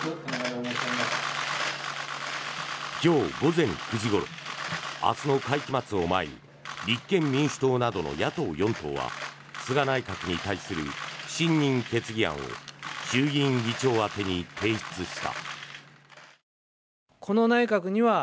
今日午前９時ごろ明日の会期末を前に立憲民主党などの野党４党は菅内閣に対する不信任決議案を衆議院議長宛てに提出した。